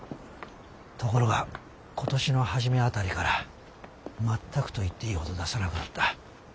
ところが今年の初め辺りから全くと言っていいほど出さなくなった。